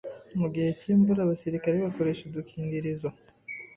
mu gihe cy’imvura abasirikare bakoresha udukingirizo